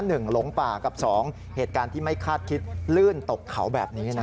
หลงป่ากับสองเหตุการณ์ที่ไม่คาดคิดลื่นตกเขาแบบนี้นะ